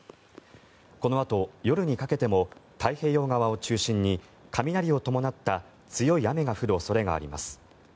このあと、夜にかけても太平洋側を中心に雷を伴った強い雨が降る恐れがあります。